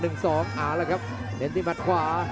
เอาล่ะครับเหม็นติมัดขวา